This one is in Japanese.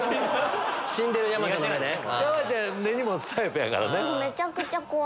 山ちゃん根に持つタイプやからね。